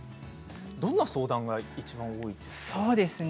どんな相談がいちばん多いですか？